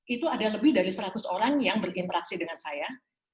itu ada lebih dari seratus orang yang berinteraksi dengan saya